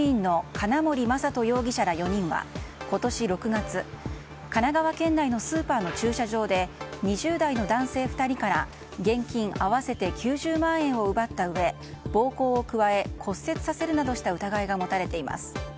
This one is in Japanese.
金森雅斗容疑者ら４人は今年６月神奈川県内のスーパーの駐車場で２０代の男性２人から現金合わせて９０万円を奪ったうえ暴行を加え、骨折させるなどした疑いが持たれています。